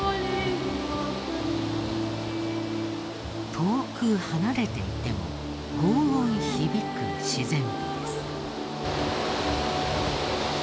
遠く離れていても轟音響く自然美です。